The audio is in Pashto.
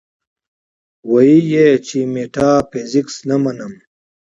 وې ئې چې ميټافزکس نۀ منم -